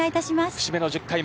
節目の１０回目。